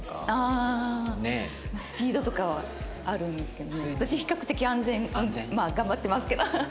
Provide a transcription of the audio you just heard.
まあスピードとかはあるんですけど私比較的安全まあ頑張ってますけど。